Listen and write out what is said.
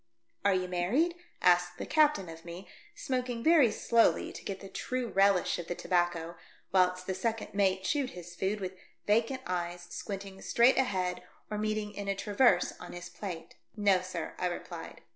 " Are you married ?" asked the captain of me, smoking very slowly to get the true relish of the tobacco, whilst the second mate chewed his food with vacant eyes, squinting 128 THE DEATH SHIP. Straight ahead or meeting in a traverse on his plate. " No, sir," I replied.